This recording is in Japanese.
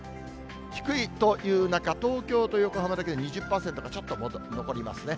低いという中、東京と横浜だけは２０％、ちょっと残りますね。